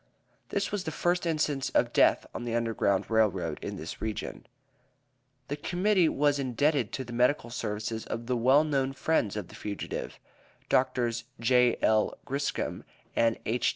This was the first instance of death on the Underground Rail Road in this region. The Committee were indebted to the medical services of the well known friends of the fugitive, Drs. J.L. Griscom and H.